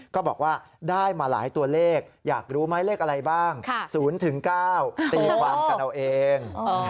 ก็บอกว่าได้มาหลายตัวเลขอยากรู้ไหมเลขอะไรบ้าง๐๙ตีความกันเอาเอง